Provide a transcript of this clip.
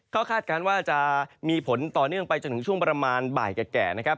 เขาคาดการณ์ว่าจะมีผลต่อเนื่องไปจนถึงช่วงประมาณบ่ายแก่นะครับ